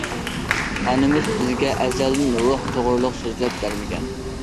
ئانىمىز بىزگە ئەزەلدىن روھ توغرىلىق سۆزلەپ بەرمىگەن.